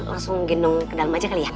langsung gendong ke dalam aja kali ya